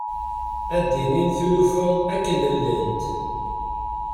Ad d-inin tilufa akken llant.